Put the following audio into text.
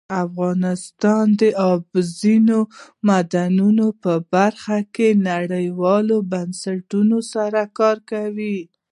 افغانستان د اوبزین معدنونه په برخه کې نړیوالو بنسټونو سره کار کوي.